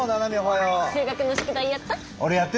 数学の宿題やった？